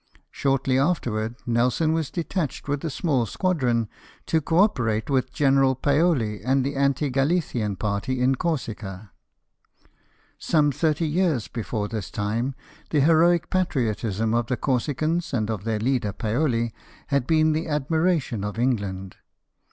Shortly afterwards Nelson was detached with a small squadron to co operate with General Paoli and the Anti Galli can party in Corsica. Some thirty years before this time the heroic patriotism of the Corsicans, and of their leader Paoli, had been the admiration of England.